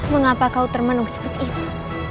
mengapa kau terpenuh seperti itu